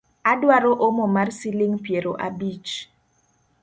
Adwaro omo mar siling’ piero abich